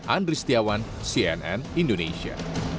andri setiawan cnn indonesia